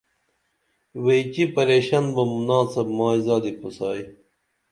ویچی پریشن بُم ناڅپ مائی زادی پُھسائی